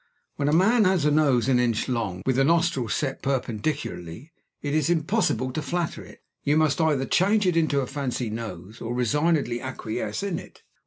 When a man has a nose an inch long, with the nostrils set perpendicularly, it is impossible to flatter it you must either change it into a fancy nose, or resignedly acquiesce in it.